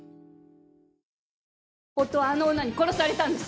夫はあの女に殺されたんです。